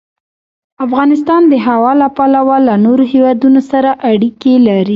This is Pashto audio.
افغانستان د هوا له پلوه له نورو هېوادونو سره اړیکې لري.